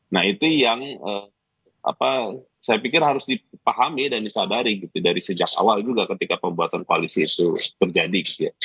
nah itu yang saya pikir harus dipahami dan disadari gitu dari sejak awal juga ketika pembuatan koalisi itu terjadi